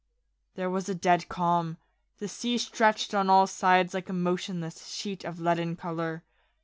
There was a dead calm. The sea stretched on all sides like a motionless sheet of leaden colour.